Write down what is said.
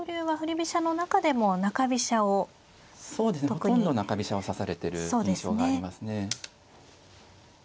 ほとんど中飛車を指されてる印象がありますね。